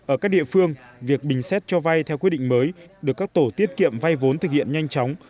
ở các địa phương việc bình xét cho vay theo quyết định mới được các tổ tiết kiệm vay vốn thực hiện nhanh chóng